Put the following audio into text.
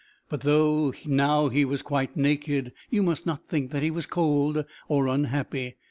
But, though he was now quite naked, you must not think that he was cold or unhappy.